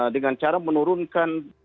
dengan cara menurunkan